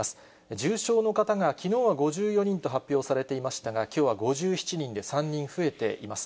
重症の方が、きのうは５４人と発表されていましたが、きょうは５７人で３人増えています。